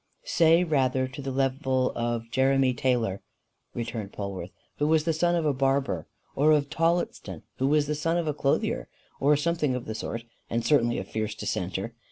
"Say rather, to the level of Jeremy Taylor," returned Polwarth, "who was the son of a barber; or of Tillotson, who was the son of a clothier, or something of the sort, and certainly a fierce dissenter.